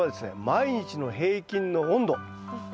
毎日の平均の温度。